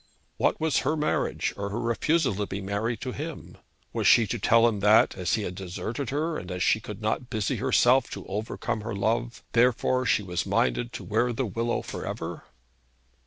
What was her marriage, or her refusal to be married, to him? Was she to tell him that, as he had deserted her, and as she could not busy herself to overcome her love, therefore she was minded to wear the willow for ever?